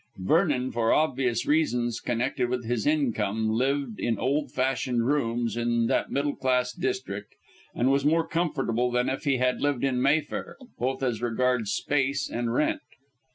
Vernon, for obvious reasons connected with his income, lived in old fashioned rooms in that middle class district, and was more comfortable than if he had lived in Mayfair, both as regards space and rent.